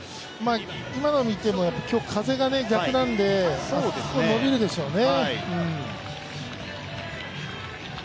今の見ても今日、風が逆なんであそこ、伸びるでしょうね。